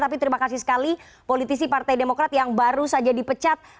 tapi terima kasih sekali politisi partai demokrat yang baru saja dipecat